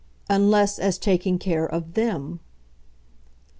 "Unless as taking care of THEM."